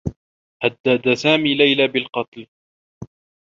هدّد سامي ليلى بالقتل.